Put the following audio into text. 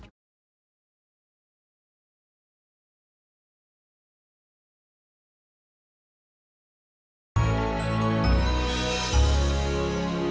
cuman gara gara kelakuan rusuh